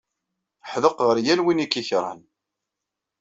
Ḥdeq ɣer yal win i k-ikeṛhen.